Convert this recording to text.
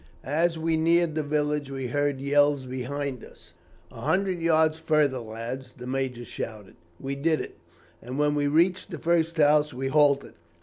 As we neared the village, we heard yells behind us. "'A hundred yards further, lads,' the major shouted. We did it, and when we reached the first house we halted.